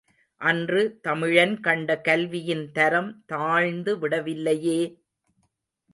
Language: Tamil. அன்று தமிழன் கண்ட கல்வியின் தரம் தாழ்ந்து விடவில்லையே!